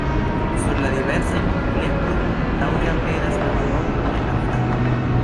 Sur la diversaj monbiletoj daŭre aperas la valoro en la franko.